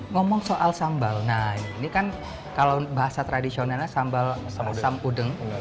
ngomong soal sambal nah ini kan kalau bahasa tradisionalnya sambal asam udeng